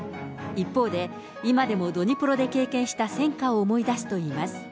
一方で、今でもドニプロで経験した戦禍を思い出すといいます。